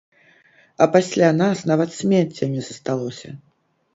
А пасля нас нават смецця не засталося.